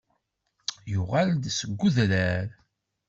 Yuɣal-d seg udrar.